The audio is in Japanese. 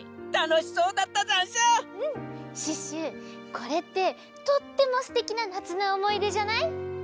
これってとってもすてきななつのおもいでじゃない？